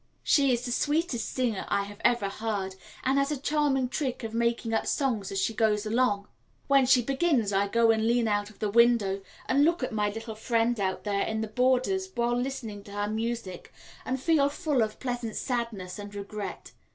She is the sweetest singer I have ever heard, and has a charming trick of making up songs as she goes along. When she begins, I go and lean out of the window and look at my little friends out there in the borders while listening to her music, and feel full of pleasant sadness and regret.